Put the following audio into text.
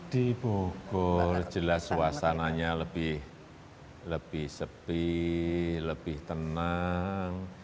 di bogor jelas suasananya lebih sepi lebih tenang